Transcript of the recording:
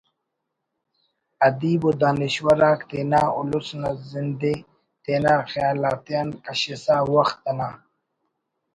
ادیب و دانشور آک تینا الس نا زند ءِ تینا خیال آتیان کشسا وخت انا